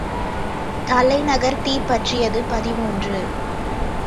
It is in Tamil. தலைநகர் தீப்பற்றியது பதிமூன்று .